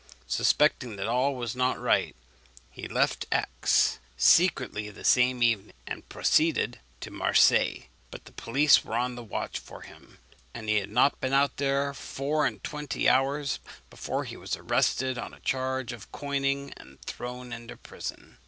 Suspecting that all was not right, he left Aix secretly the same evening, and proceeded to Marseilles. But the police were on the watch for him; and he had not been there four and twenty hours, before he was arrested on a charge of coining, and thrown into prison.